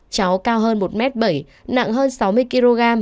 cháu cao hơn một m bảy nặng hơn sáu mươi kg